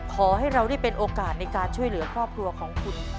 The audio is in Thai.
ขอให้เราได้เป็นโอกาสในการช่วยเหลือครอบครัวของคุณ